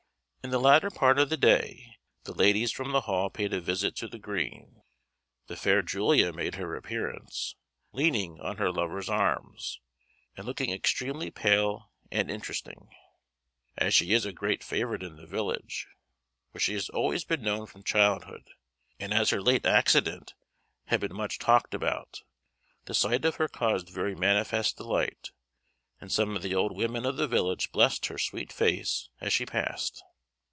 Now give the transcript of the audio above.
In the latter part of the day the ladies from the Hall paid a visit to the green. The fair Julia made her appearance, leaning on her lover's arm, and looking extremely pale and interesting. As she is a great favourite in the village, where she has been known from childhood, and as her late accident had been much talked about, the sight of her caused very manifest delight, and some of the old women of the village blessed her sweet face as she passed.